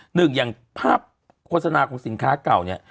หนึ่งอย่างภาพโฆษณาของสินค้าเก่าเนี่ย